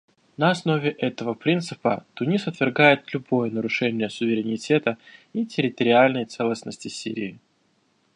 На основе этого принципа Тунис отвергает любое нарушение суверенитета и территориальной целостности Сирии.